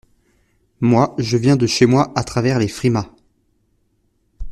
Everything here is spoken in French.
Moi, je viens de chez moi, à travers les frimas.